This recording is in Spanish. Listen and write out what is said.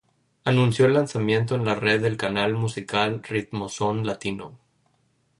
Anunció el lanzamiento en la red del canal musical Ritmoson Latino.